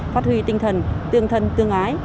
phát huy tinh thần tương thân tương ái